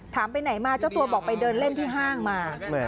ไปไหนมาเจ้าตัวบอกไปเดินเล่นที่ห้างมา